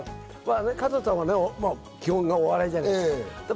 加藤さん、基本お笑いじゃないですか。